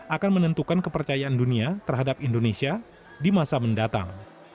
akan menentukan kepercayaan dunia terhadap indonesia di masa mendatang